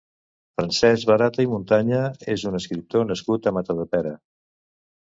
Francesc Barata i Muntanya és un escriptor nascut a Matadepera.